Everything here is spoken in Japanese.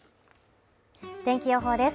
天気予報です